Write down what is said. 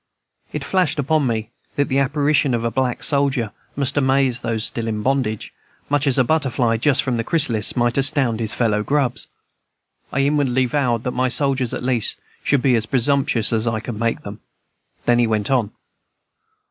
It flashed upon me that the apparition of a black soldier must amaze those still in bondage, much as a butterfly just from the chrysalis might astound his fellow grubs. I inwardly vowed that my soldiers, at least, should be as "presumptious" as I could make them. Then he went on.